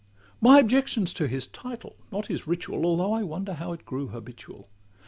My objection 's to his title, not his ritual, Although I wonder how it grew habitual.